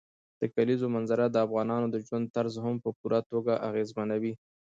د کلیزو منظره د افغانانو د ژوند طرز هم په پوره توګه اغېزمنوي.